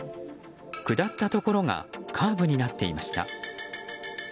下ったところがカーブになっていました。